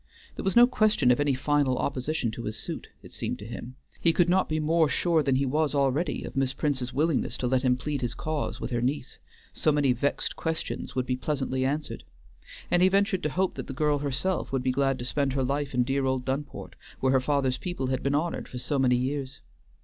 There was no question of any final opposition to his suit, it seemed to him; he could not be more sure than he was already of Miss Prince's willingness to let him plead his cause with her niece, so many vexed questions would be pleasantly answered; and he ventured to hope that the girl herself would be glad to spend her life in dear old Dunport, where her father's people had been honored for so many years.